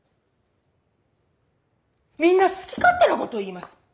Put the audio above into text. みんな好き勝手なことを言います。